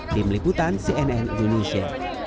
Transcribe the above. di meliputan cnn indonesia